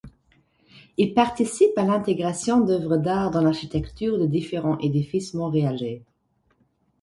Il participe à l'intégration d'œuvres d'art dans l'architecture de différents édifices montréalais.